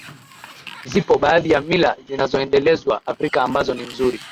Zipo baadhi ya mila zinazoendelezwa Afrika ambazo ni nzuri